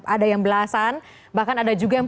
ada yang belasan bahkan ada juga yang